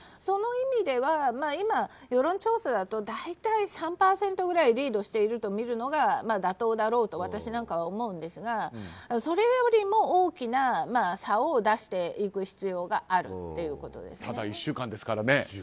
その意味では、今、世論調査だと大体３％ぐらいリードしているとみるのが妥当だろうと私なんかは思うんですがそれよりも大きな差を出していく必要があるということですね。